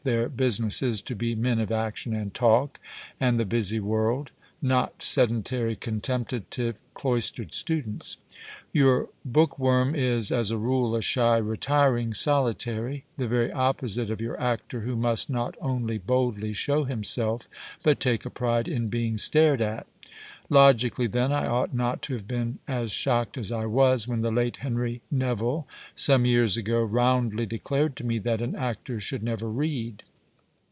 Their busi ness is to be men of action and talk and the busy world — not sedentary contemplative, cloistered stu dents. Your bookworm is as a rule a shy, retiring solitary ; the very opposite of your actor who must not only boldly show himself but take a pride in being stared at. Logically, then, I ought not to have been as shocked as I was when the late Henry Neville some years ago roundly declared to me that an actor " should never read."